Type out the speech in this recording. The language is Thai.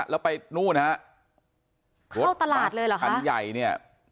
แล้วไปนู่นฮะเข้าตลาดเลยเหรอคะคันใหญ่เนี่ย